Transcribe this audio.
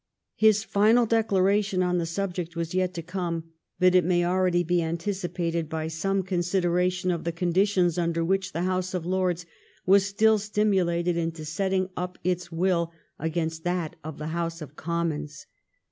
His final declaration on the subject was yet to come, but it may already be anticipated by some consideration of the conditions under which the House of Lords was still stimulated into setting up its will against that of the House of Commons.